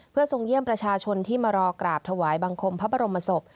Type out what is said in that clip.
เพื่อทรงเยี่ยมประชาชนที่มารอกราบถวายบังคมพระบรมศพ